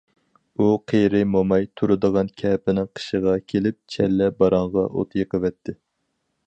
ئۇ قېرى موماي تۇرىدىغان كەپىنىڭ قېشىغا كېلىپ چەللە باراڭغا ئوت يېقىۋەتتى.